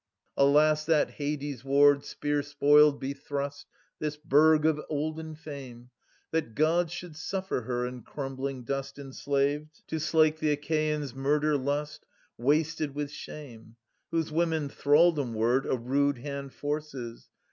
i8 JESCHYLUS. (Sir. 2) Alas, that Hades ward, spear spoiled, be thrust 320 This burg of olden fame, That Gods should suffer her, in crumbling dust Enslaved, to slake the Achaian*s murder lust. Wasted with shame !— Whose women thraldom ward a rude hand forces.